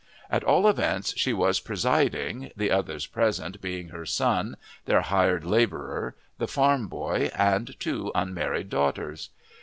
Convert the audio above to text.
At all events she was presiding, the others present being her son, their hired labourer, the farm boy, and two unmarried daughters.